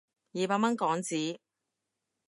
二百蚊港紙